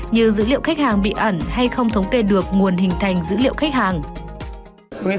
như dữ liệu khách hàng bị ẩn hay không thống kê được nguồn hình thành dữ liệu khách hàng